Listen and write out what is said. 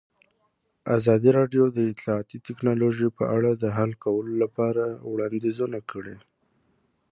ازادي راډیو د اطلاعاتی تکنالوژي په اړه د حل کولو لپاره وړاندیزونه کړي.